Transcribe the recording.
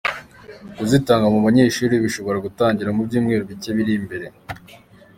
Kuzitanga mu banyeshuri bishobora gutangira mu byumweru bike biri imbere.